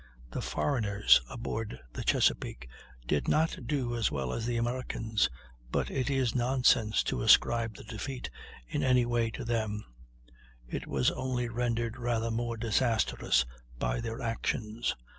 The foreigners aboard the Chesapeake did not do as well as the Americans, but it is nonsense to ascribe the defeat in any way to them; it was only rendered rather more disastrous by their actions.